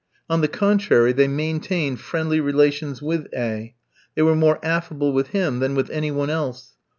On the contrary, they maintained friendly relations with A f. They were more affable with him than with any one else.